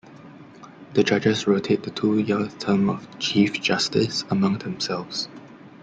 The judges rotate the two-year term of Chief Justice among themselves.